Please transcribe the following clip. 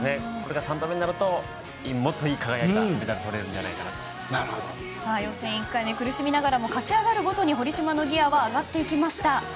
これが３度目になるともっといいメダルが予選１回目で苦しみながらも勝ち上がるごとに堀島のギアは上がっていきました。